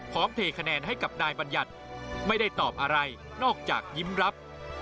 เทคะแนนให้กับนายบัญญัติไม่ได้ตอบอะไรนอกจากยิ้มรับ